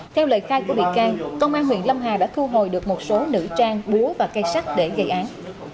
theo lời khai của bị can công an huyện lâm hà đã thu hồi được một số nữ trang búa và cây sắt để gây án